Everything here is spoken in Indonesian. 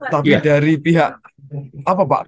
tapi dari pihak apa pak